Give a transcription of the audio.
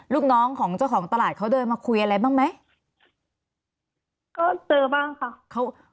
ลูกน้องของเจ้าของตลาดเขาเดินมาคุยอะไรบ้างไหมก็เจอบ้างค่ะเขา